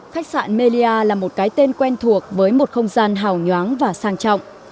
khách sạn melia là một cái tên quen thuộc với một không gian hào nhoáng và sang trọng